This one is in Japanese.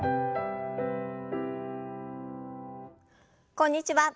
こんにちは。